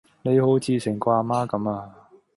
你好似成個啊媽咁呀